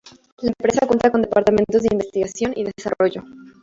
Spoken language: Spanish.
La empresa cuenta con departamentos de investigación y desarrollo.